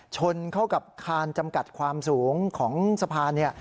ชนเข้ากับคานจำกัดความสูงของสะพานเนี่ย